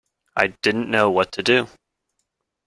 I didn't know what to do.